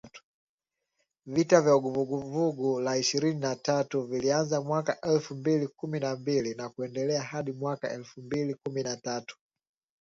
Vita vya Vuguvugu la Ishirini na tatu vilianza mwaka elfu mbili kumi na mbili na kuendelea hadi mwaka elfu mbili kumi na tatu